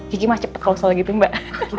gigi mah cepet kalau selalu gitu mbak